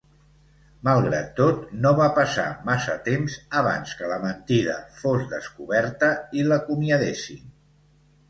Malgrat tot no va passar massa temps abans que la mentida fos descoberta i l'acomiadessin.